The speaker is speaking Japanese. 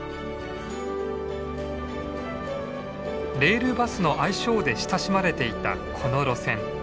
レールバスの愛称で親しまれていたこの路線。